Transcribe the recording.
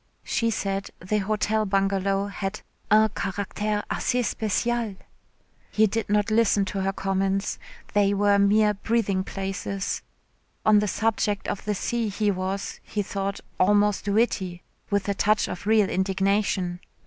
She said the Hotel Bungalow had "un caractère assez spècial...." He did not listen to her comments they were mere breathing places. On the subject of the sea he was, he thought, almost witty, with a touch of real indignation.